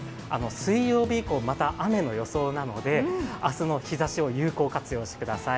水曜日以降、また雨の予想なので明日の日ざしを有効活用してください。